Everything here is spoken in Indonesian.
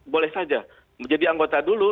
boleh saja menjadi anggota dulu